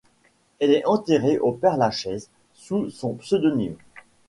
Elle est enterrée au Père Lachaise sous son pseudonyme.